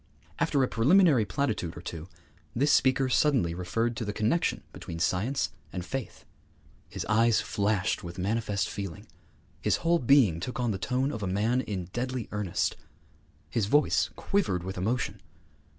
After a preliminary platitude or two, this speaker suddenly referred to the connexion between science and faith. His eyes flashed with manifest feeling; his whole being took on the tone of a man in deadly earnest; his voice quivered with emotion.